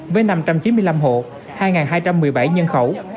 với năm trăm chín mươi năm hộ hai hai trăm một mươi bảy nhân khẩu